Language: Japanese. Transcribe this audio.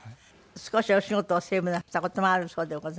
少しお仕事をセーブなすった事もあるそうでございます。